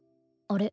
あれ？